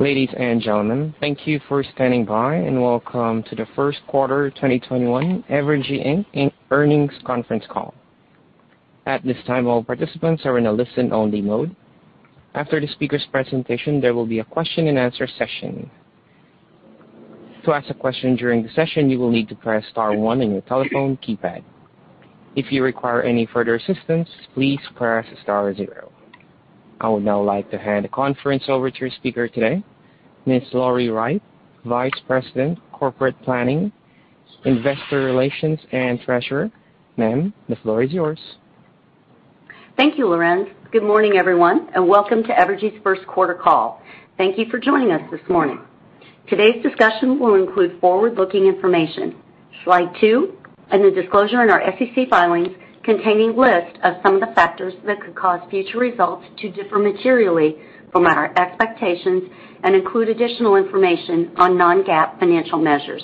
Ladies and gentlemen, thank you for standing by, and welcome to the first quarter 2021 Evergy, Inc. earnings conference call. At this time, all participants are in a listen-only mode. After the speaker's presentation, there will be a question and answer session. To ask a question during the session, you will need to press star one on your telephone keypad. If you require any further assistance, please press star zero. I would now like to hand the conference over to your speaker today, Ms. Lori Wright, Vice President, Corporate Planning, Investor Relations, and Treasurer. Ma'am, the floor is yours. Thank you, Lori. Good morning, everyone, and welcome to Evergy's first quarter call. Thank you for joining us this morning. Today's discussion will include forward-looking information, slide two, and a disclosure in our SEC filings containing lists of some of the factors that could cause future results to differ materially from our expectations and include additional information on non-GAAP financial measures.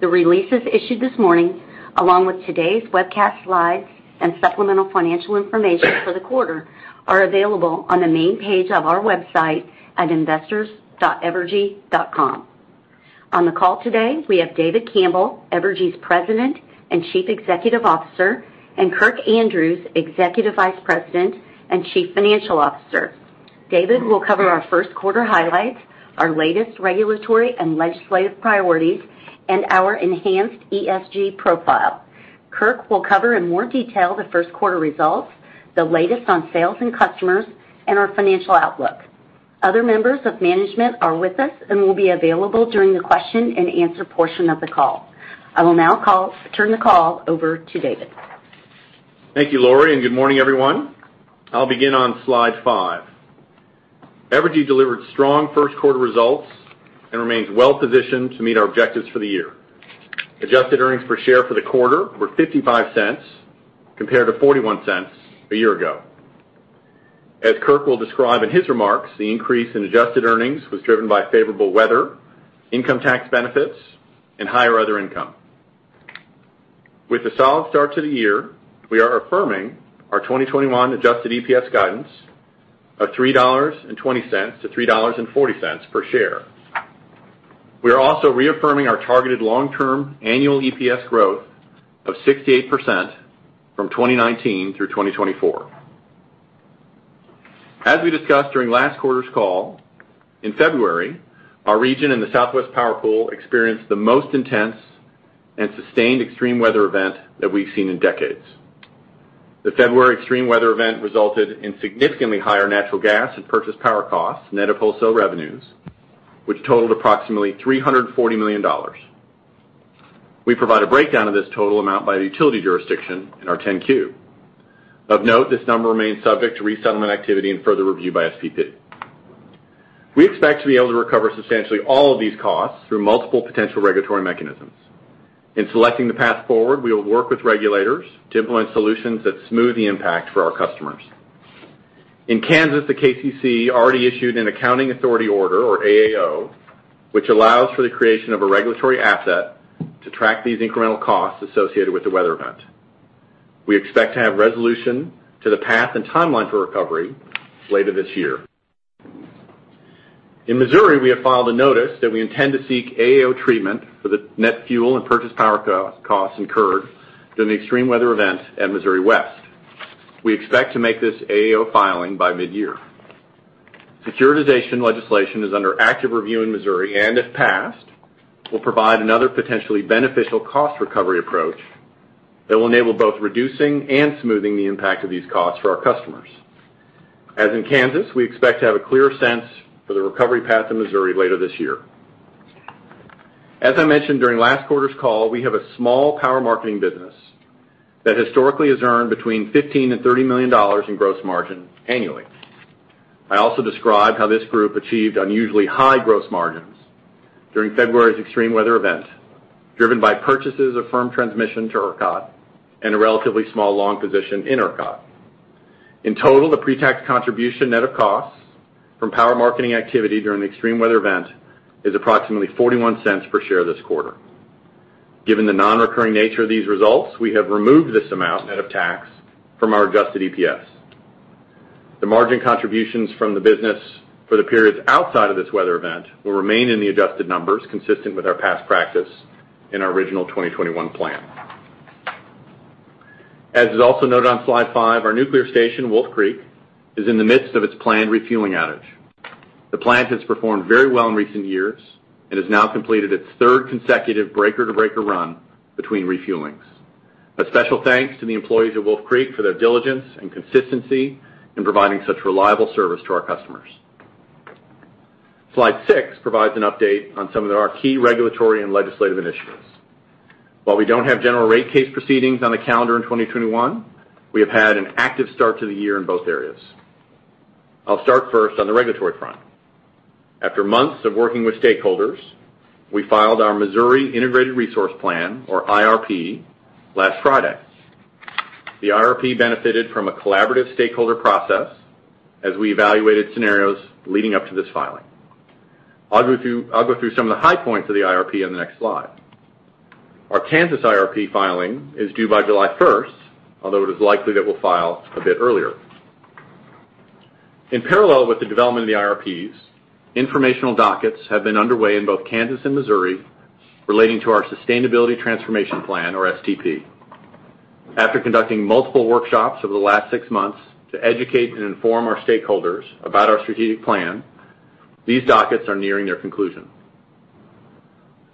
The releases issued this morning, along with today's webcast slides and supplemental financial information for the quarter, are available on the main page of our website at investors.evergy.com. On the call today, we have David Campbell, Evergy's President and Chief Executive Officer, and Kirk Andrews, Executive Vice President and Chief Financial Officer. David will cover our first quarter highlights, our latest regulatory and legislative priorities, and our enhanced ESG profile. Kirk will cover in more detail the first quarter results, the latest on sales and customers, and our financial outlook. Other members of management are with us and will be available during the question and answer portion of the call. I will now turn the call over to David. Thank you, Lori, and good morning, everyone. I'll begin on slide five. Evergy delivered strong first-quarter results and remains well-positioned to meet our objectives for the year. Adjusted earnings per share for the quarter were $0.55 compared to $0.41 a year ago. As Kirk will describe in his remarks, the increase in adjusted earnings was driven by favorable weather, income tax benefits, and higher other income. With a solid start to the year, we are affirming our 2021 adjusted EPS guidance of $3.20-$3.40 per share. We are also reaffirming our targeted long-term annual EPS growth of 6% to 8% from 2019 through 2024. As we discussed during last quarter's call, in February, our region in the Southwest Power Pool experienced the most intense and sustained extreme weather event that we've seen in decades. The February extreme weather event resulted in significantly higher natural gas and purchase power costs, net of wholesale revenues, which totaled approximately $340 million. We provide a breakdown of this total amount by the utility jurisdiction in our 10-Q. Of note, this number remains subject to resettlement activity and further review by SPP. We expect to be able to recover substantially all of these costs through multiple potential regulatory mechanisms. In selecting the path forward, we will work with regulators to implement solutions that smooth the impact for our customers. In Kansas, the KCC already issued an accounting authority order, or AAO, which allows for the creation of a regulatory asset to track these incremental costs associated with the weather event. We expect to have resolution to the path and timeline for recovery later this year. In Missouri, we have filed a notice that we intend to seek AAO treatment for the net fuel and purchase power costs incurred during the extreme weather event at Missouri West. We expect to make this AAO filing by mid-year. Securitization legislation is under active review in Missouri and, if passed, will provide another potentially beneficial cost-recovery approach that will enable both reducing and smoothing the impact of these costs for our customers. As in Kansas, we expect to have a clearer sense for the recovery path in Missouri later this year. As I mentioned during last quarter's call, we have a small power marketing business that historically has earned between $15 million and $30 million in gross margin annually. I also described how this group achieved unusually high gross margins during February's extreme weather event, driven by purchases of firm transmission to ERCOT and a relatively small long position in ERCOT. In total, the pre-tax contribution net of costs from power marketing activity during the extreme weather event is approximately $0.41 per share this quarter. Given the non-recurring nature of these results, we have removed this amount net of tax from our adjusted EPS. The margin contributions from the business for the periods outside of this weather event will remain in the adjusted numbers, consistent with our past practice and our original 2021 plan. As is also noted on slide five, our nuclear station, Wolf Creek, is in the midst of its planned refueling outage. The plant has performed very well in recent years and has now completed its third consecutive breaker-to-breaker run between refuelings. A special thanks to the employees at Wolf Creek for their diligence and consistency in providing such reliable service to our customers. Slide six provides an update on some of our key regulatory and legislative initiatives. While we don't have general rate case proceedings on the calendar in 2021, we have had an active start to the year in both areas. I'll start first on the regulatory front. After months of working with stakeholders, we filed our Missouri Integrated Resource Plan, or IRP, last Friday. The IRP benefited from a collaborative stakeholder process as we evaluated scenarios leading up to this filing. I'll go through some of the high points of the IRP in the next slide. Our Kansas IRP filing is due by July 1st, although it is likely that we'll file a bit earlier. In parallel with the development of the IRPs, informational dockets have been underway in both Kansas and Missouri relating to our sustainability transformation plan, or STP. After conducting multiple workshops over the last six months to educate and inform our stakeholders about our strategic plan, these dockets are nearing their conclusion.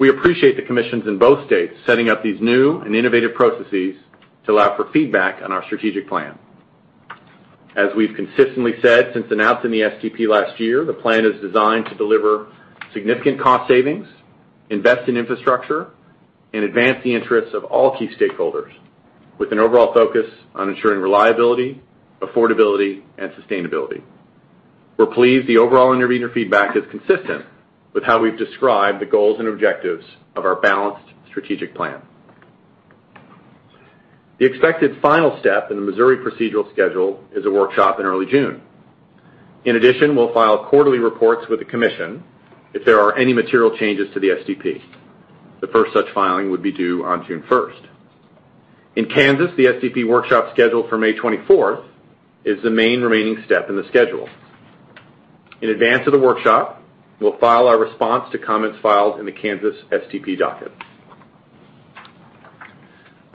We appreciate the commissions in both states setting up these new and innovative processes to allow for feedback on our strategic plan. As we've consistently said since announcing the STP last year, the plan is designed to deliver significant cost savings, invest in infrastructure, and advance the interests of all key stakeholders with an overall focus on ensuring reliability, affordability, and sustainability. We're pleased the overall intervener feedback is consistent with how we've described the goals and objectives of our balanced strategic plan. The expected final step in the Missouri procedural schedule is a workshop in early June. In addition, we'll file quarterly reports with the commission if there are any material changes to the STP. The first such filing would be due on June 1st. In Kansas, the STP workshop scheduled for May 24th is the main remaining step in the schedule. In advance of the workshop, we'll file our response to comments filed in the Kansas STP docket.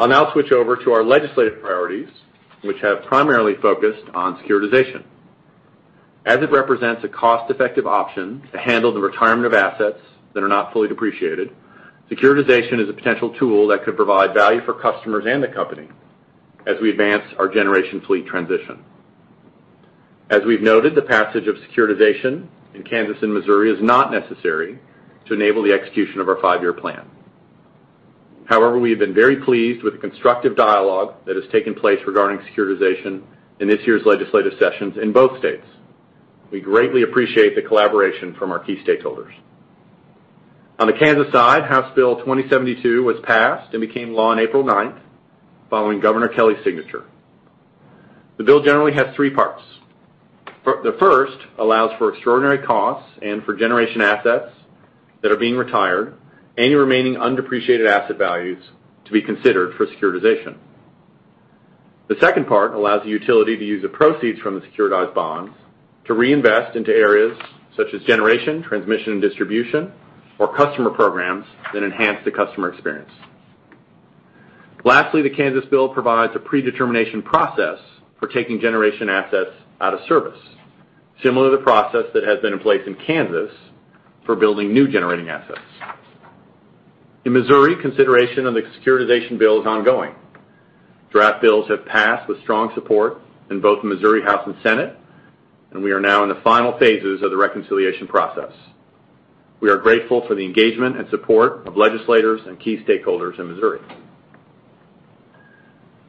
I'll now switch over to our legislative priorities, which have primarily focused on securitization. As it represents a cost-effective option to handle the retirement of assets that are not fully depreciated, securitization is a potential tool that could provide value for customers and the company as we advance our generation fleet transition. As we've noted, the passage of securitization in Kansas and Missouri is not necessary to enable the execution of our five-year plan. We have been very pleased with the constructive dialogue that has taken place regarding securitization in this year's legislative sessions in both states. We greatly appreciate the collaboration from our key stakeholders. On the Kansas side, House Bill 2072 was passed and became law on April 9th, following Governor Kelly's signature. The bill generally has three parts. The first allows for extraordinary costs and for generation assets that are being retired, any remaining undepreciated asset values to be considered for securitization. The second part allows the utility to use the proceeds from the securitized bonds to reinvest into areas such as generation, transmission, and distribution or customer programs that enhance the customer experience. Lastly, the Kansas bill provides a predetermination process for taking generation assets out of service, similar to the process that has been in place in Kansas for building new generating assets. In Missouri, consideration of the securitization bill is ongoing. Draft bills have passed with strong support in both the Missouri House and Senate. We are now in the final phases of the reconciliation process. We are grateful for the engagement and support of legislators and key stakeholders in Missouri.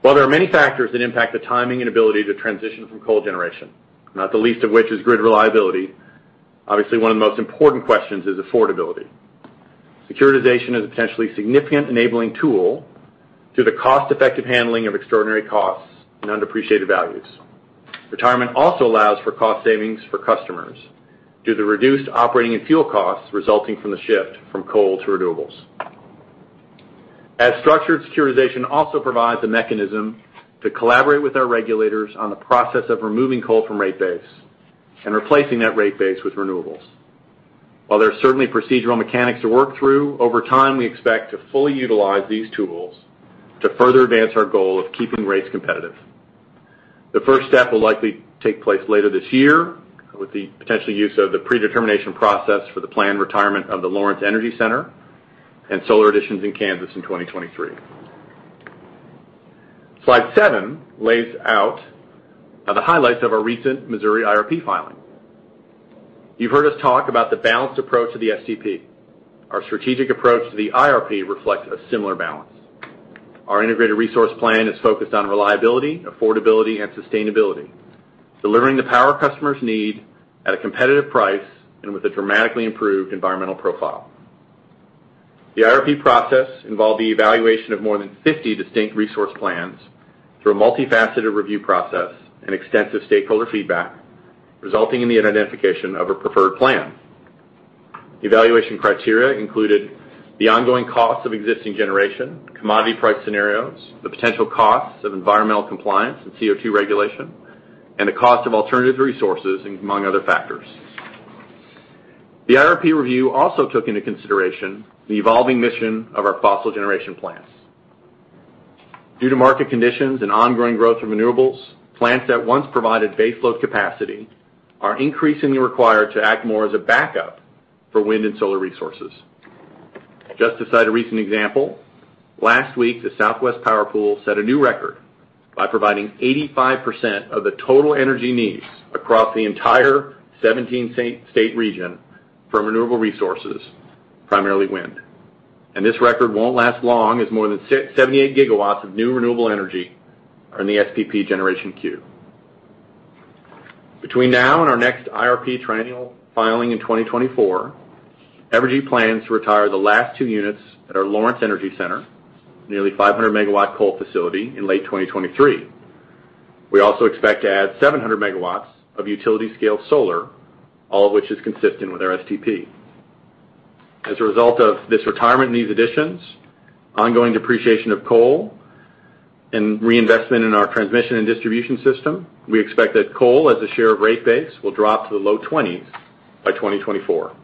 While there are many factors that impact the timing and ability to transition from coal generation, not the least of which is grid reliability, obviously one of the most important questions is affordability. Securitization is a potentially significant enabling tool through the cost-effective handling of extraordinary costs and undepreciated values. Retirement also allows for cost savings for customers through the reduced operating and fuel costs resulting from the shift from coal to renewables. As structured, securitization also provides a mechanism to collaborate with our regulators on the process of removing coal from rate base and replacing that rate base with renewables. While there are certainly procedural mechanics to work through, over time, we expect to fully utilize these tools to further advance our goal of keeping rates competitive. The first step will likely take place later this year with the potential use of the predetermination process for the planned retirement of the Lawrence Energy Center and solar additions in Kansas in 2023. Slide seven lays out the highlights of our recent Missouri IRP filing. You've heard us talk about the balanced approach to the STP. Our strategic approach to the IRP reflects a similar balance. Our integrated resource plan is focused on reliability, affordability, and sustainability, delivering the power customers need at a competitive price and with a dramatically improved environmental profile. The IRP process involved the evaluation of more than 50 distinct resource plans through a multifaceted review process and extensive stakeholder feedback, resulting in the identification of a preferred plan. Evaluation criteria included the ongoing cost of existing generation, commodity price scenarios, the potential costs of environmental compliance and CO2 regulation, and the cost of alternative resources, among other factors. The IRP review also took into consideration the evolving mission of our fossil generation plants. Due to market conditions and ongoing growth in renewables, plants that once provided base load capacity are increasingly required to act more as a backup for wind and solar resources. Just to cite a recent example, last week, the Southwest Power Pool set a new record by providing 85% of the total energy needs across the entire 17-state region from renewable resources, primarily wind. This record won't last long, as more than 78 gigawatts of new renewable energy are in the SPP generation queue. Between now and our next IRP triennial filing in 2024, Evergy plans to retire the last two units at our Lawrence Energy Center, a nearly 500-megawatt coal facility in late 2023. We also expect to add 700 megawatts of utility-scale solar, all of which is consistent with our STP. As a result of this retirement and these additions, ongoing depreciation of coal, and reinvestment in our transmission and distribution system, we expect that coal as a share of rate base will drop to the low 20s by 2024.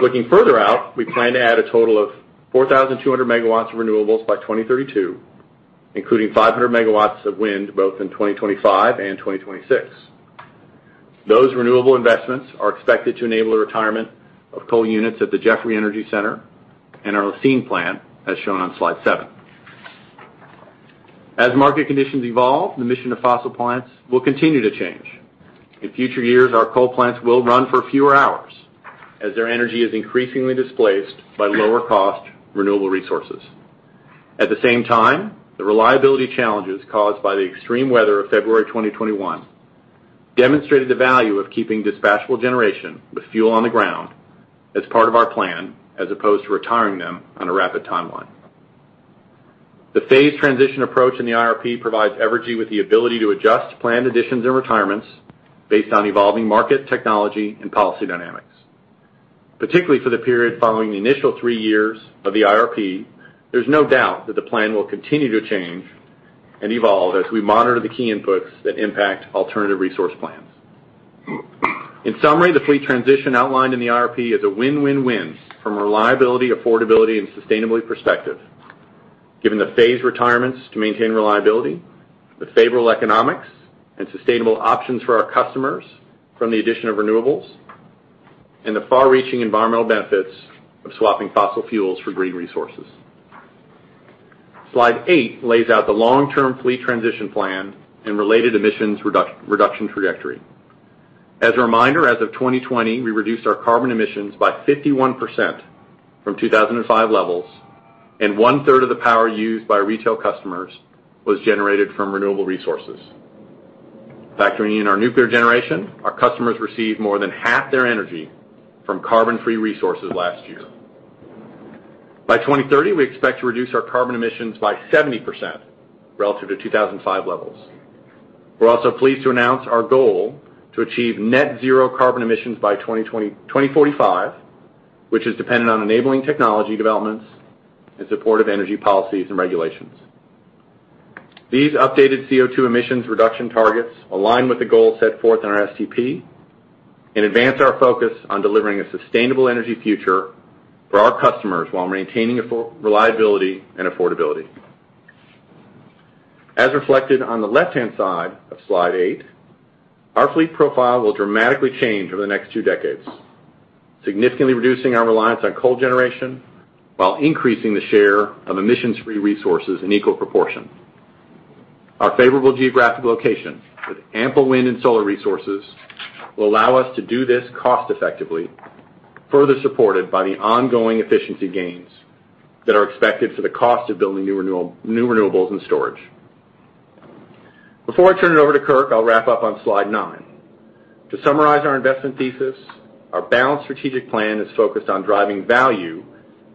Looking further out, we plan to add a total of 4,200 megawatts of renewables by 2032, including 500 megawatts of wind both in 2025 and 2026. Those renewable investments are expected to enable the retirement of coal units at the Jeffrey Energy Center and our La Cygne plant, as shown on slide seven. As market conditions evolve, the mission of fossil plants will continue to change. In future years, our coal plants will run for fewer hours as their energy is increasingly displaced by lower-cost renewable resources. At the same time, the reliability challenges caused by the extreme weather of February 2021 demonstrated the value of keeping dispatchable generation with fuel on the ground as part of our plan as opposed to retiring them on a rapid timeline. The phased transition approach in the IRP provides Evergy with the ability to adjust planned additions and retirements based on evolving market technology and policy dynamics. Particularly for the period following the initial three years of the IRP, there's no doubt that the plan will continue to change and evolve as we monitor the key inputs that impact alternative resource plans. In summary, the fleet transition outlined in the IRP is a win-win-win from a reliability, affordability, and sustainability perspective, given the phased retirements to maintain reliability, the favorable economics, and sustainable options for our customers from the addition of renewables, and the far-reaching environmental benefits of swapping fossil fuels for green resources. Slide eight lays out the long-term fleet transition plan and related emissions reduction trajectory. As a reminder, as of 2020, we reduced our carbon emissions by 51% from 2005 levels, and one-third of the power used by retail customers was generated from renewable resources. Factoring in our nuclear generation, our customers received more than half their energy from carbon-free resources last year. By 2030, we expect to reduce our carbon emissions by 70% relative to 2005 levels. We're also pleased to announce our goal to achieve net zero carbon emissions by 2045, which is dependent on enabling technology developments and supportive energy policies and regulations. These updated CO2 emissions reduction targets align with the goals set forth in our STP and advance our focus on delivering a sustainable energy future for our customers while maintaining affordability, reliability, and affordability. As reflected on the left-hand side of slide eight, our fleet profile will dramatically change over the next two decades, significantly reducing our reliance on coal generation while increasing the share of emissions-free resources in equal proportion. Our favorable geographic location with ample wind and solar resources will allow us to do this cost effectively, further supported by the ongoing efficiency gains that are expected for the cost of building new renewables and storage. Before I turn it over to Kirk, I'll wrap up on slide nine. To summarize our investment thesis, our balanced strategic plan is focused on driving value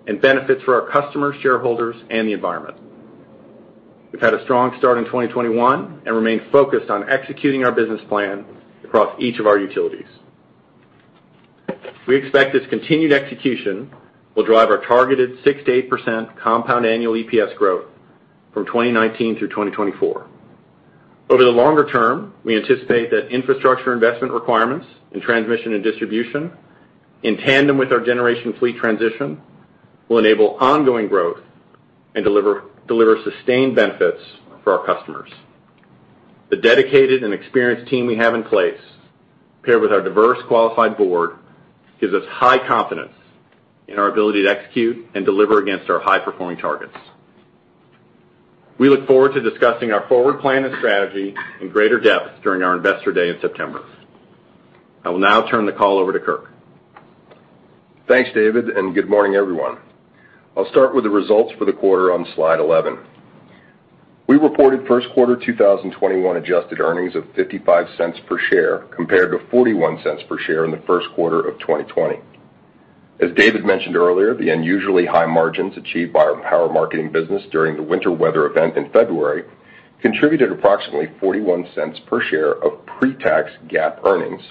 and benefits for our customers, shareholders, and the environment. We've had a strong start in 2021 and remain focused on executing our business plan across each of our utilities. We expect this continued execution will drive our targeted six to 8% compound annual EPS growth from 2019 through 2024. Over the longer term, we anticipate that infrastructure investment requirements in transmission and distribution in tandem with our generation fleet transition will enable ongoing growth and deliver sustained benefits for our customers. The dedicated and experienced team we have in place paired with our diverse qualified board gives us high confidence in our ability to execute and deliver against our high-performing targets. We look forward to discussing our forward plan and strategy in greater depth during our investor day in September. I will now turn the call over to Kirk. Thanks, David, and good morning, everyone. I will start with the results for the quarter on slide 11. We reported first quarter 2021 adjusted earnings of $0.55 per share compared to $0.41 per share in the first quarter of 2020. As David mentioned earlier, the unusually high margins achieved by our power marketing business during the winter weather event in February contributed approximately $0.41 per share of pre-tax GAAP earnings,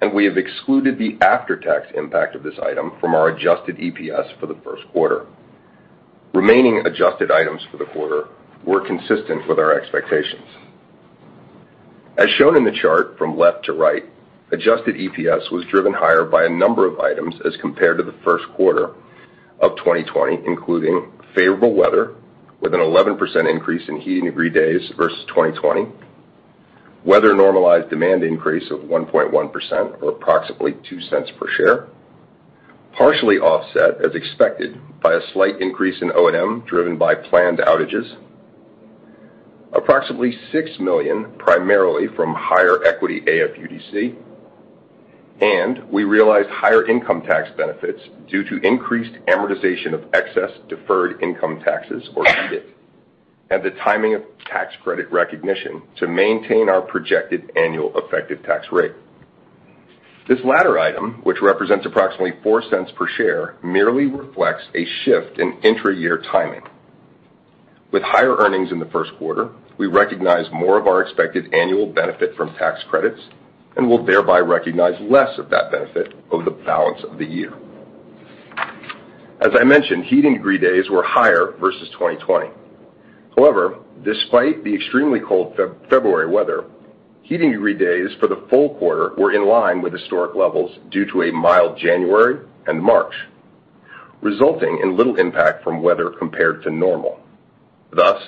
and we have excluded the after-tax impact of this item from our adjusted EPS for the first quarter. Remaining adjusted items for the quarter were consistent with our expectations. As shown in the chart from left to right, adjusted EPS was driven higher by a number of items as compared to the first quarter of 2020, including favorable weather with an 11% increase in heating degree days versus 2020. Weather-normalized demand increase of 1.1% or approximately $0.02 per share, partially offset as expected by a slight increase in O&M driven by planned outages. Approximately $6 million, primarily from higher equity AFUDC. We realized higher income tax benefits due to increased amortization of Excess Deferred Income Taxes, or EDIT, and the timing of tax credit recognition to maintain our projected annual effective tax rate. This latter item, which represents approximately $0.04 per share, merely reflects a shift in intra-year timing. With higher earnings in the first quarter, we recognize more of our expected annual benefit from tax credits and will thereby recognize less of that benefit over the balance of the year. As I mentioned, heating degree days were higher versus 2020. However, despite the extremely cold February weather, heating degree days for the full quarter were in line with historic levels due to a mild January and March, resulting in little impact from weather compared to normal. Thus,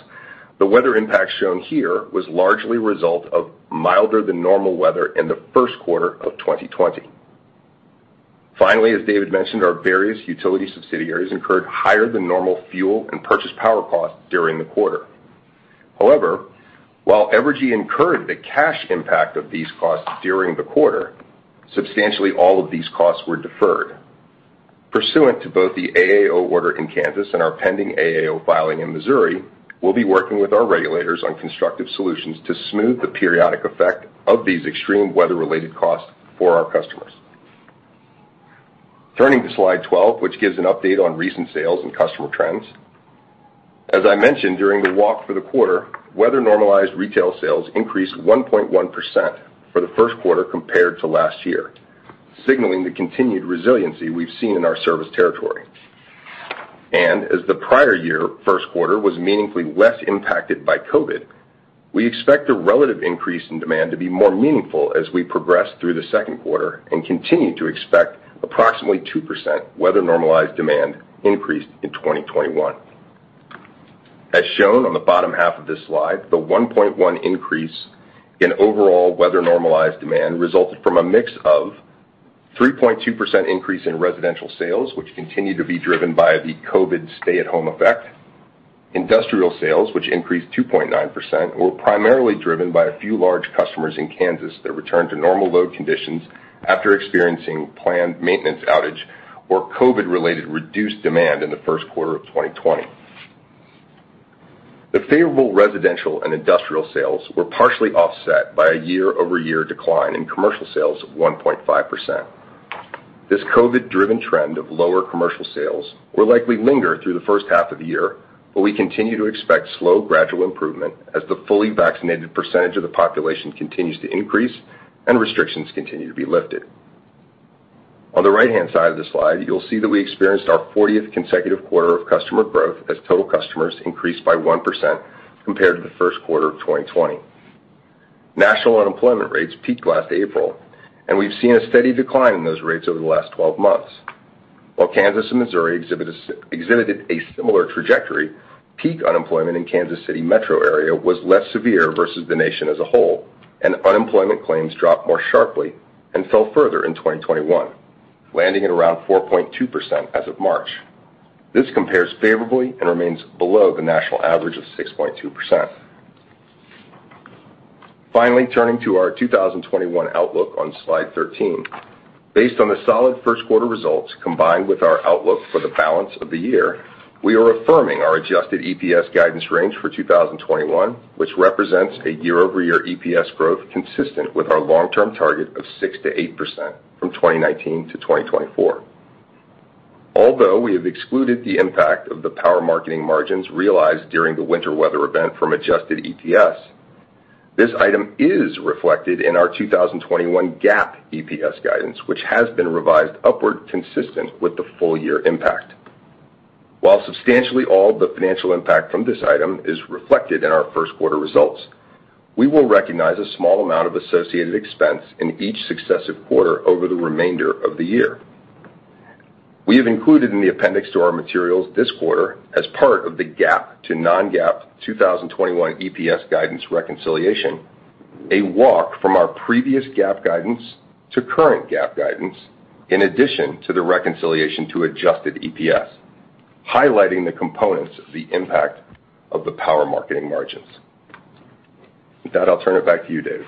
the weather impact shown here was largely a result of milder than normal weather in the first quarter of 2020. Finally, as David mentioned, our various utility subsidiaries incurred higher than normal fuel and purchase power costs during the quarter. However, while Evergy incurred the cash impact of these costs during the quarter, substantially all of these costs were deferred. Pursuant to both the AAO order in Kansas and our pending AAO filing in Missouri, we'll be working with our regulators on constructive solutions to smooth the periodic effect of these extreme weather-related costs for our customers. Turning to slide 12, which gives an update on recent sales and customer trends. As I mentioned during the walk for the quarter, weather-normalized retail sales increased 1.1% for the first quarter compared to last year, signaling the continued resiliency we've seen in our service territory. As the prior year first quarter was meaningfully less impacted by COVID, we expect the relative increase in demand to be more meaningful as we progress through the second quarter and continue to expect approximately 2% weather-normalized demand increase in 2021. As shown on the bottom half of this slide, the 1.1% increase in overall weather-normalized demand resulted from a mix of 3.2% increase in residential sales, which continued to be driven by the COVID stay-at-home effect. Industrial sales, which increased 2.9%, were primarily driven by a few large customers in Kansas that returned to normal load conditions after experiencing planned maintenance outage or COVID-related reduced demand in the first quarter of 2020. The favorable residential and industrial sales were partially offset by a year-over-year decline in commercial sales of 1.5%. This COVID-driven trend of lower commercial sales will likely linger through the first half of the year. We continue to expect slow, gradual improvement as the fully vaccinated percentage of the population continues to increase and restrictions continue to be lifted. On the right-hand side of the slide, you'll see that we experienced our 40th consecutive quarter of customer growth as total customers increased by 1% compared to the first quarter of 2020. National unemployment rates peaked last April, and we've seen a steady decline in those rates over the last 12 months. While Kansas and Missouri exhibited a similar trajectory, peak unemployment in Kansas City metro area was less severe versus the nation as a whole, and unemployment claims dropped more sharply and fell further in 2021, landing at around 4.2% as of March. This compares favorably and remains below the national average of 6.2%. Turning to our 2021 outlook on slide 13. Based on the solid first quarter results, combined with our outlook for the balance of the year, we are affirming our adjusted EPS guidance range for 2021, which represents a year-over-year EPS growth consistent with our long-term target of 6%-8% from 2019 to 2024. We have excluded the impact of the power marketing margins realized during the winter weather event from adjusted EPS, this item is reflected in our 2021 GAAP EPS guidance, which has been revised upward consistent with the full-year impact. Substantially all the financial impact from this item is reflected in our first quarter results, we will recognize a small amount of associated expense in each successive quarter over the remainder of the year. We have included in the appendix to our materials this quarter, as part of the GAAP to non-GAAP 2021 EPS guidance reconciliation, a walk from our previous GAAP guidance to current GAAP guidance, in addition to the reconciliation to adjusted EPS, highlighting the components of the impact of the power marketing margins. With that, I'll turn it back to you, David.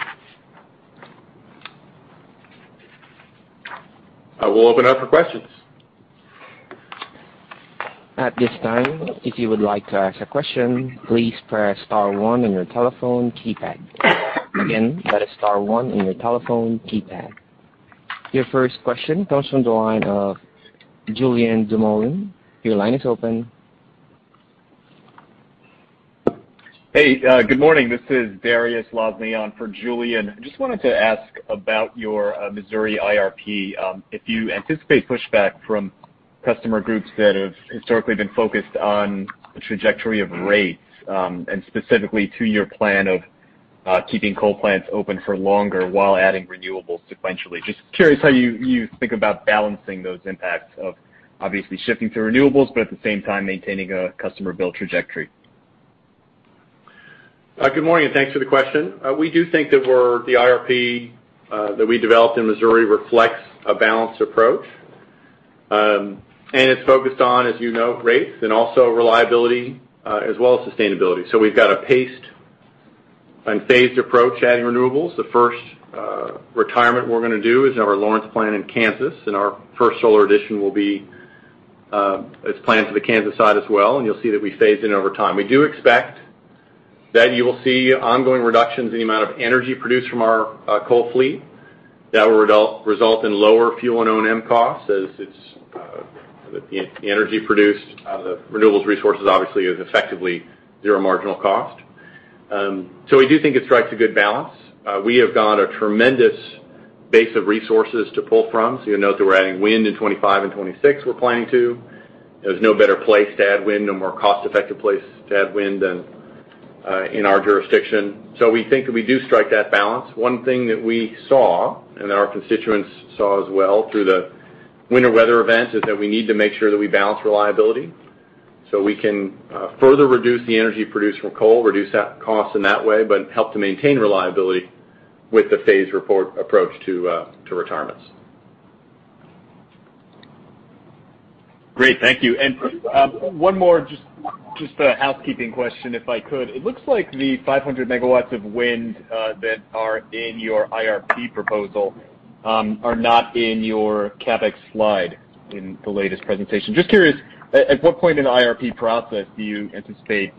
I will open up for questions. At this time, if you would like to ask a question, please press star one on your telephone keypad. Again, that is star one on your telephone keypad. Your first question comes from the line of Julien Dumoulin-Smith. Your line is open. Hey, good morning. This is Dariusz Lozny for Julien. I just wanted to ask about your Missouri IRP. If you anticipate pushback from customer groups that have historically been focused on the trajectory of rates, and specifically to your plan of keeping coal plants open for longer while adding renewables sequentially. Just curious how you think about balancing those impacts of obviously shifting to renewables, but at the same time maintaining a customer build trajectory. Good morning and thanks for the question. We do think that the IRP that we developed in Missouri reflects a balanced approach, and is focused on, as you know, rates and also reliability, as well as sustainability. We've got a paced and phased approach adding renewables. The first retirement we're going to do is our Lawrence plant in Kansas, and our first solar addition will be, as planned for the Kansas side as well. You'll see that we phase in over time. We do expect- That you will see ongoing reductions in the amount of energy produced from our coal fleet. That will result in lower fuel and O&M costs as the energy produced. The renewables resources obviously is effectively zero marginal cost. We do think it strikes a good balance. We have got a tremendous base of resources to pull from. You'll note that we're adding wind in 2025 and 2026, we're planning to. There's no better place to add wind, no more cost-effective place to add wind than in our jurisdiction. We think that we do strike that balance. One thing that we saw, and our constituents saw as well through the winter weather event, is that we need to make sure that we balance reliability so we can further reduce the energy produced from coal, reduce that cost in that way, but help to maintain reliability with the phased approach to retirements. Great, thank you. One more, just a housekeeping question, if I could. It looks like the 500 MW of wind that are in your IRP proposal are not in your CapEx slide in the latest presentation. Just curious, at what point in the IRP process do you anticipate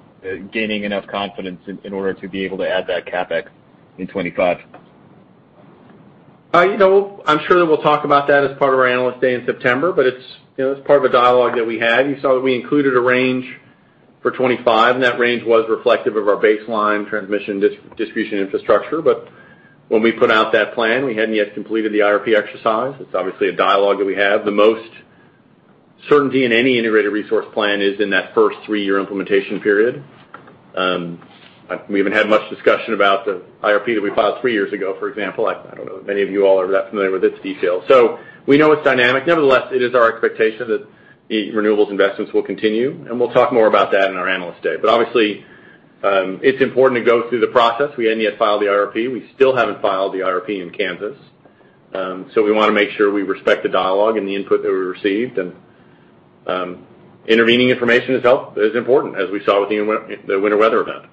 gaining enough confidence in order to be able to add that CapEx in 2025? I'm sure that we'll talk about that as part of our Analyst Day in September, it's part of a dialogue that we had. You saw that we included a range for 2025, that range was reflective of our baseline transmission distribution infrastructure. When we put out that plan, we hadn't yet completed the IRP exercise. It's obviously a dialogue that we have. The most certainty in any integrated resource plan is in that first three-year implementation period. We haven't had much discussion about the IRP that we filed three years ago, for example. I don't know if any of you all are that familiar with its details. We know it's dynamic. Nevertheless, it is our expectation that the renewables investments will continue, we'll talk more about that in our Analyst Day. Obviously, it's important to go through the process. We hadn't yet filed the IRP. We still haven't filed the IRP in Kansas. We want to make sure we respect the dialogue and the input that we received. Intervening information is important, as we saw with the winter weather event.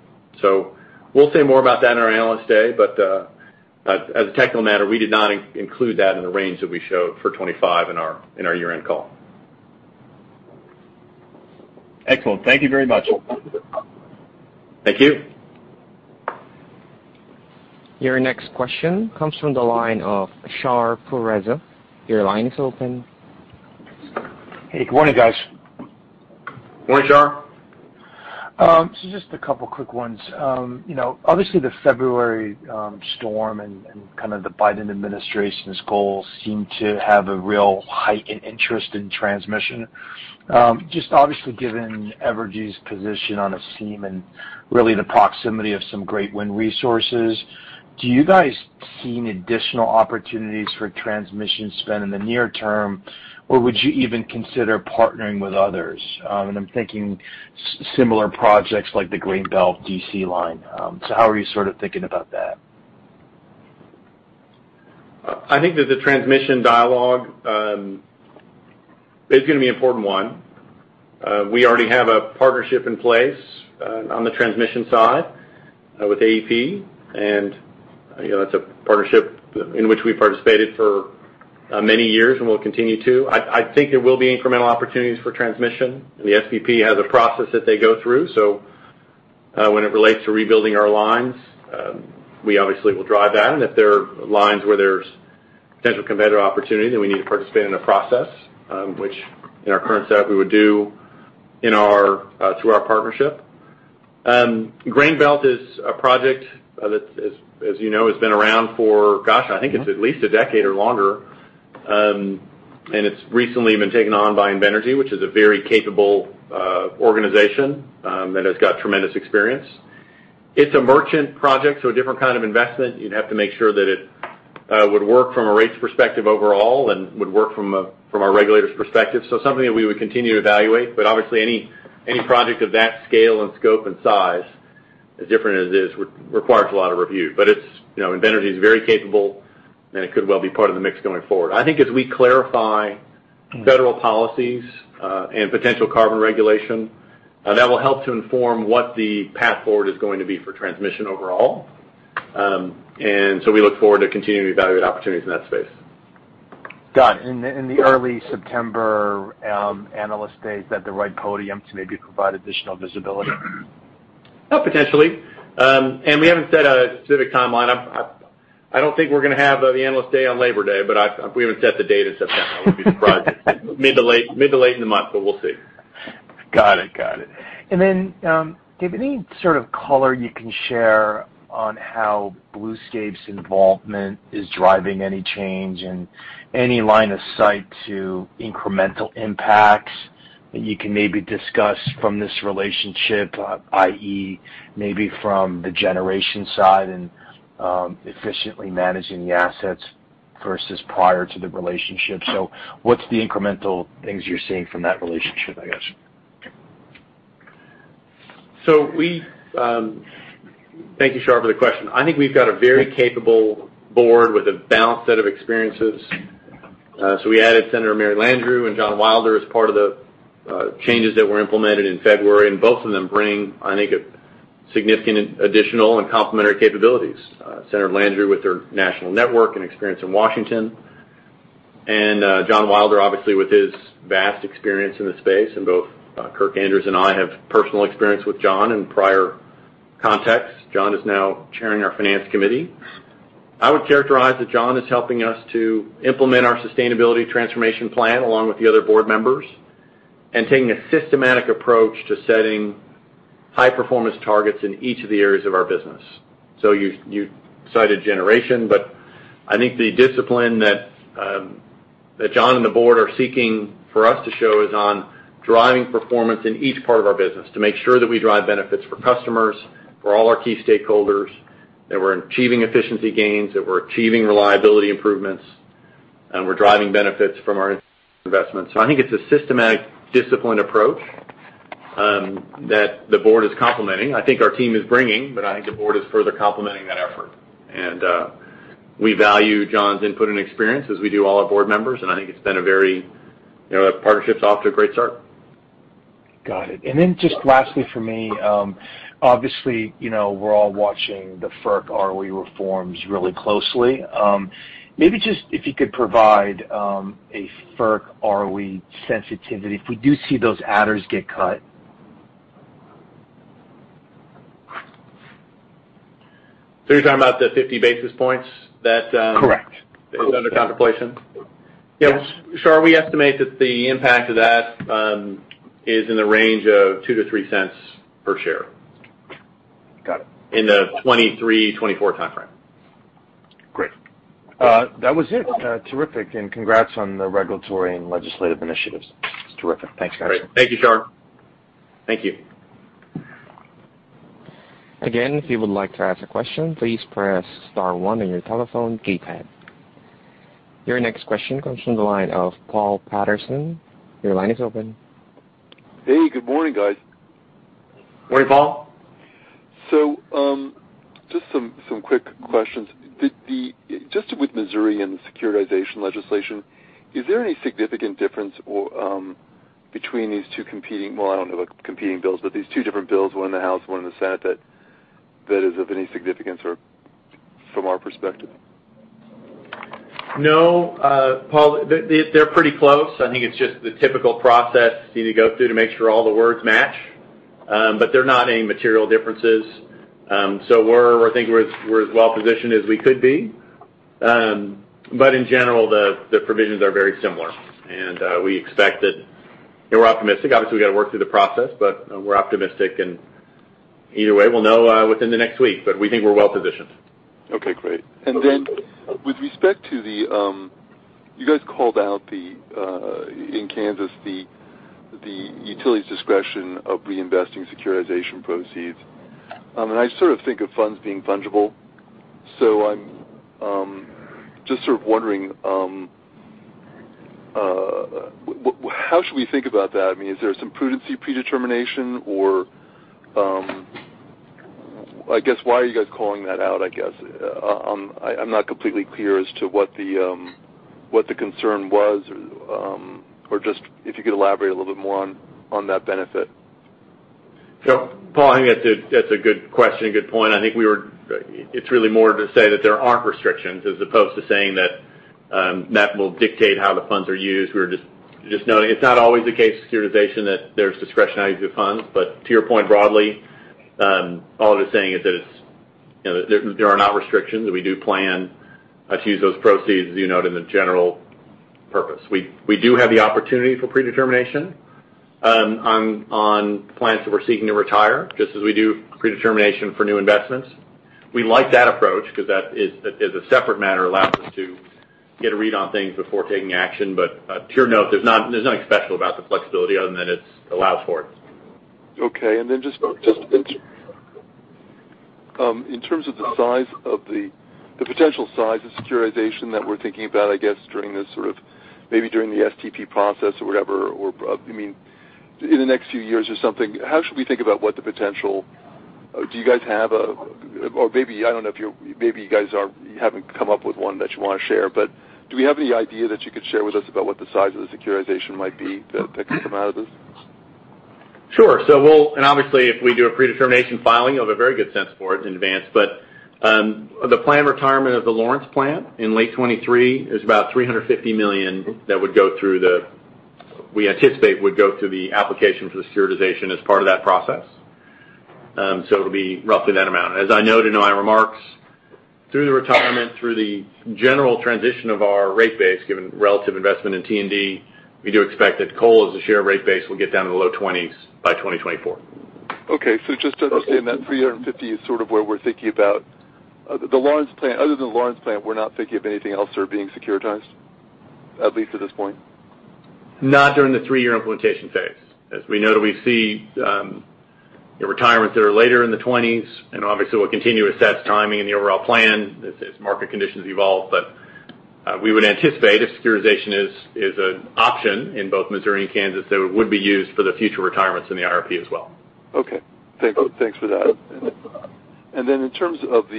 We'll say more about that in our Analyst Day, as a technical matter, we did not include that in the range that we showed for 2025 in our year-end call. Excellent. Thank you very much. Thank you. Your next question comes from the line of Shahriar Pourreza. Your line is open. Hey, good morning, guys. Morning, Shar. Just a couple quick ones. Obviously, the February storm and kind of the Biden administration's goals seem to have a real heightened interest in transmission. Obviously given Evergy's position on a seam and really the proximity of some great wind resources, do you guys see any additional opportunities for transmission spend in the near term, or would you even consider partnering with others? I'm thinking similar projects like the Grain Belt D.C. line. How are you sort of thinking about that? I think that the transmission dialogue is going to be an important one. We already have a partnership in place on the transmission side with AEP, that's a partnership in which we've participated for many years and will continue to. I think there will be incremental opportunities for transmission. The SPP has a process that they go through. When it relates to rebuilding our lines, we obviously will drive that. If there are lines where there's potential competitive opportunity, then we need to participate in a process, which in our current setup, we would do through our partnership. Grain Belt is a project that, as you know, has been around for, gosh, I think it's at least a decade or longer. It's recently been taken on by Invenergy, which is a very capable organization that has got tremendous experience. It's a merchant project, a different kind of investment. You'd have to make sure that it would work from a rates perspective overall and would work from our regulators' perspective. Something that we would continue to evaluate, obviously any project of that scale and scope and size, as different as it is, requires a lot of review. Invenergy is very capable, and it could well be part of the mix going forward. I think as we clarify federal policies and potential carbon regulation, that will help to inform what the path forward is going to be for transmission overall. We look forward to continuing to evaluate opportunities in that space. Got it. In the early September Analyst Day, is that the right podium to maybe provide additional visibility? Potentially. We haven't set a specific timeline. I don't think we're going to have the Analyst Day on Labor Day, we haven't set the date as of now. Would be surprised. Mid to late in the month, we'll see. Got it. Dave, any sort of color you can share on how Bluescape's involvement is driving any change and any line of sight to incremental impacts that you can maybe discuss from this relationship, i.e., maybe from the generation side and efficiently managing the assets versus prior to the relationship? What's the incremental things you're seeing from that relationship, I guess? Thank you, Shar, for the question. I think we've got a very capable board with a balanced set of experiences. We added Senator Mary Landrieu and John Wilder as part of the changes that were implemented in February, both of them bring, I think, significant additional and complementary capabilities. Senator Landrieu with her national network and experience in Washington. John Wilder, obviously, with his vast experience in the space, both Kirk Andrews and I have personal experience with John in prior contexts. John is now chairing our finance committee. I would characterize that John is helping us to implement our sustainability transformation plan along with the other board members and taking a systematic approach to setting high-performance targets in each of the areas of our business. You cited generation, but I think the discipline that John and the board are seeking for us to show is on driving performance in each part of our business to make sure that we drive benefits for customers, for all our key stakeholders, that we're achieving efficiency gains, that we're achieving reliability improvements, and we're driving benefits from our investments. I think it's a systematic, disciplined approach that the board is complementing. I think our team is bringing, but I think the board is further complementing that effort. We value John's input and experience as we do all our board members. That partnership's off to a great start. Got it. Just lastly for me, obviously, we're all watching the FERC ROE reforms really closely. Maybe just if you could provide a FERC ROE sensitivity if we do see those adders get cut. You're talking about the 50 basis points that. Correct is under contemplation? Yes. Yeah. Shar, we estimate that the impact of that is in the range of $0.02-$0.03 per share. Got it. In the 2023, 2024 timeframe. Great. That was it. Terrific. Congrats on the regulatory and legislative initiatives. It's terrific. Thanks, guys. Great. Thank you, Shar. Thank you. Again, if you would like to ask a question, please press star one on your telephone keypad. Your next question comes from the line of Paul Patterson. Your line is open. Hey, good morning, guys. Morning, Paul. Just some quick questions. Just with Missouri and the securitization legislation, is there any significant difference between these two different bills, one in the House, one in the Senate, that is of any significance from our perspective? No, Paul, they're pretty close. I think it's just the typical process you need to go through to make sure all the words match. There are not any material differences. I think, we're as well positioned as we could be. In general, the provisions are very similar, and we expect that we're optimistic. Obviously, we've got to work through the process, but we're optimistic. Either way, we'll know within the next week, but we think we're well-positioned. Okay, great. Then with respect to the, you guys called out in Kansas the utility's discretion of reinvesting securitization proceeds. I sort of think of funds being fungible. I'm just sort of wondering, how should we think about that? I mean, is there some prudency predetermination or, I guess, why are you guys calling that out? I'm not completely clear as to what the concern was or just if you could elaborate a little bit more on that benefit. Paul, I think that's a good question, a good point. I think it's really more to say that there aren't restrictions as opposed to saying that will dictate how the funds are used. We're just noting it's not always the case securitization that there's discretionary use of funds. To your point broadly, all it is saying is that there are not restrictions, that we do plan to use those proceeds, as you note, in the general purpose. We do have the opportunity for predetermination on plants that we're seeking to retire, just as we do predetermination for new investments. We like that approach because that as a separate matter, allows us to get a read on things before taking action. To your note, there's nothing special about the flexibility other than it allows for it. Just in terms of the potential size of securitization that we're thinking about, I guess, during this sort of maybe during the STP process or whatever. I mean, in the next few years or something, how should we think about what the potential? Do you guys have or maybe, I don't know, maybe you guys haven't come up with one that you want to share, but do we have any idea that you could share with us about what the size of the securitization might be that could come out of this? Obviously, if we do a predetermination filing, you'll have a very good sense for it in advance. The planned retirement of the Lawrence plant in late 2023 is about $350 million that we anticipate would go through the application for the securitization as part of that process. It'll be roughly that amount. As I noted in my remarks, through the retirement, through the general transition of our rate base, given relative investment in T&D, we do expect that coal as a share of rate base will get down to the low twenties by 2024. Just to understand that $350 is sort of where we're thinking about. Other than the Lawrence plant, we're not thinking of anything else that are being securitized, at least at this point? Not during the three-year implementation phase. As we noted, we see the retirements that are later in the twenties, obviously, we'll continue assess timing and the overall plan as market conditions evolve. We would anticipate if securitization is an option in both Missouri and Kansas, that it would be used for the future retirements in the IRP as well. Okay. Thanks for that. In terms of the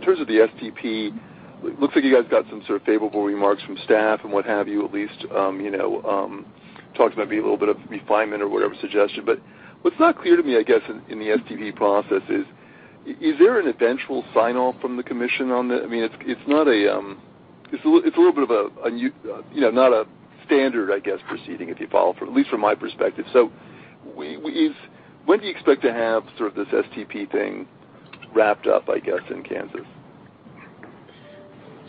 STP, looks like you guys got some sort of favorable remarks from staff and what have you, at least, talked about maybe a little bit of refinement or whatever suggestion. What's not clear to me, I guess, in the STP process is there an eventual sign-off from the commission on that? It's a little bit of a, not a standard, I guess, proceeding, if you follow, at least from my perspective. When do you expect to have sort of this STP thing wrapped up, I guess, in Kansas?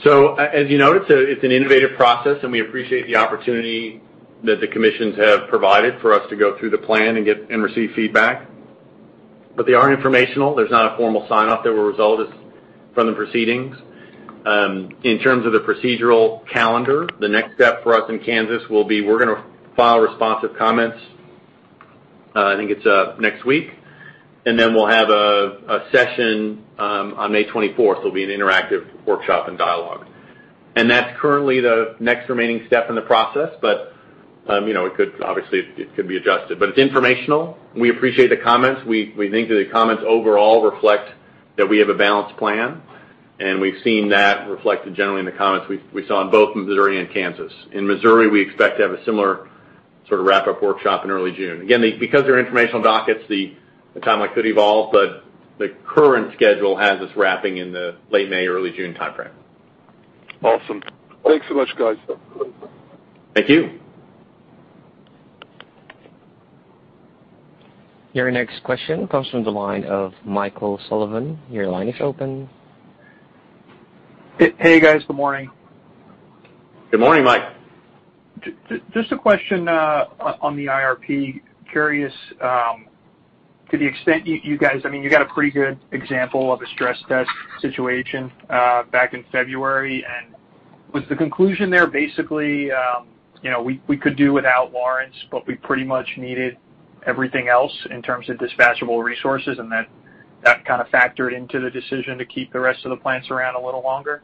As you know, it's an innovative process, and we appreciate the opportunity that the commissions have provided for us to go through the plan and receive feedback. They are informational. There's not a formal sign-off that will result from the proceedings. In terms of the procedural calendar, the next step for us in Kansas will be, we're going to file responsive comments, I think it's next week. We'll have a session on May 24th. It'll be an interactive workshop and dialogue. That's currently the next remaining step in the process. Obviously, it could be adjusted. It's informational. We appreciate the comments. We think that the comments overall reflect that we have a balanced plan, and we've seen that reflected generally in the comments we saw in both Missouri and Kansas. In Missouri, we expect to have a similar sort of wrap-up workshop in early June. Again, because they're informational dockets, the timeline could evolve, but the current schedule has us wrapping in the late May, early June timeframe. Awesome. Thanks so much, guys. Thank you. Your next question comes from the line of Michael Sullivan. Your line is open. Hey, guys. Good morning. Good morning, Mike. Just a question on the IRP. Curious to the extent you guys, you got a pretty good example of a stress test situation back in February. Was the conclusion there basically, we could do without Lawrence, but we pretty much needed everything else in terms of dispatchable resources, and that kind of factored into the decision to keep the rest of the plants around a little longer?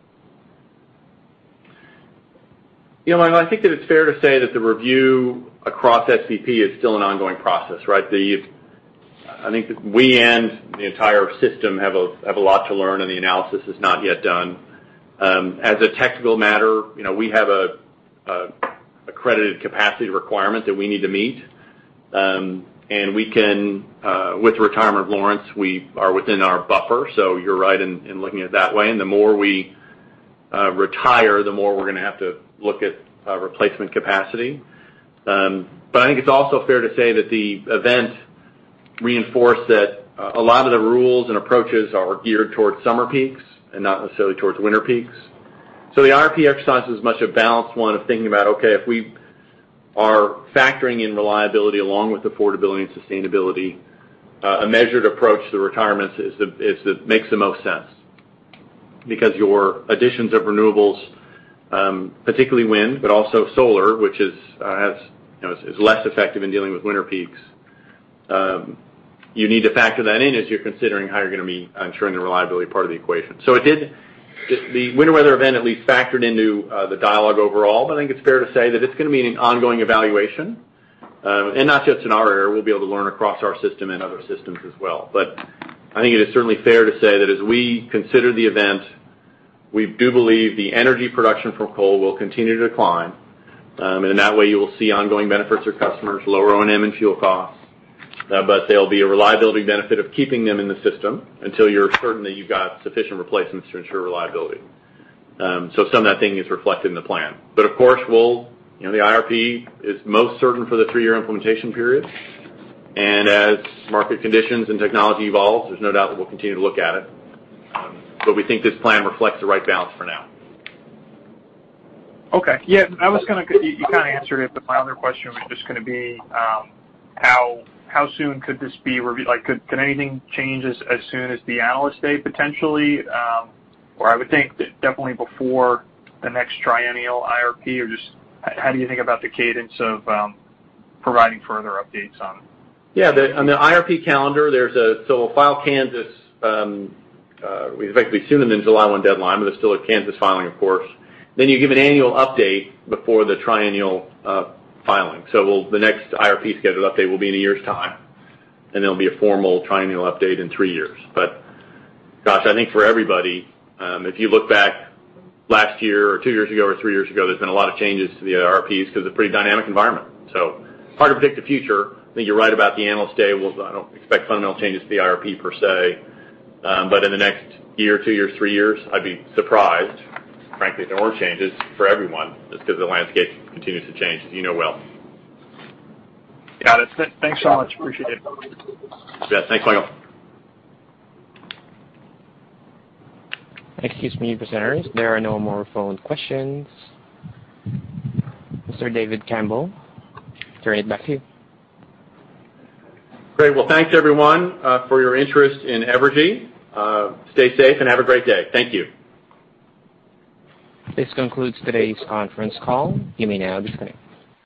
Mike, I think that it's fair to say that the review across SPP is still an ongoing process, right? I think that we and the entire system have a lot to learn, and the analysis is not yet done. As a technical matter, we have an accredited capacity requirement that we need to meet. With the retirement of Lawrence, we are within our buffer. You're right in looking at it that way. The more we retire, the more we're going to have to look at replacement capacity. I think it's also fair to say that the event reinforced that a lot of the rules and approaches are geared towards summer peaks and not necessarily towards winter peaks. The IRP exercise is as much a balanced one of thinking about, okay, if we are factoring in reliability along with affordability and sustainability, a measured approach to retirements makes the most sense, because your additions of renewables, particularly wind, but also solar, which is less effective in dealing with winter peaks. You need to factor that in as you're considering how you're going to be ensuring the reliability part of the equation. The winter weather event at least factored into the dialogue overall, but I think it's fair to say that it's going to be an ongoing evaluation. Not just in our area, we'll be able to learn across our system and other systems as well. I think it is certainly fair to say that as we consider the event, we do believe the energy production from coal will continue to decline. In that way, you will see ongoing benefits for customers, lower O&M & fuel costs. There'll be a reliability benefit of keeping them in the system until you're certain that you've got sufficient replacements to ensure reliability. Some of that thing is reflected in the plan. Of course, the IRP is most certain for the three-year implementation period. As market conditions and technology evolves, there's no doubt that we'll continue to look at it. We think this plan reflects the right balance for now. Okay. Yeah, you kind of answered it, my other question was just going to be how soon could this be reviewed? Could anything change as soon as the Analyst Day potentially? Or I would think that definitely before the next triennial IRP or just how do you think about the cadence of providing further updates on it? Yeah. On the IRP calendar, we'll file Kansas, effectively sooner than the July 1 deadline, there's still a Kansas filing, of course. You give an annual update before the triennial filing. The next IRP scheduled update will be in one year's time, and there'll be a formal triennial update in three years. Gosh, I think for everybody, if you look back last year or two years ago or three years ago, there's been a lot of changes to the IRPs because it's a pretty dynamic environment. Hard to predict the future. I think you're right about the Analyst Day. I don't expect fundamental changes to the IRP per se. In the next year, two years, three years, I'd be surprised, frankly, if there weren't changes for everyone just because the landscape continues to change as you know well. Got it. Thanks so much. Appreciate it. Yeah. Thanks, Michael. Excuse me, presenters. There are no more phone questions. Mr. David Campbell, turn it back to you. Great. Well, thanks everyone for your interest in Evergy. Stay safe and have a great day. Thank you. This concludes today's conference call. You may now disconnect.